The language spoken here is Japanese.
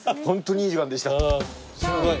すごい。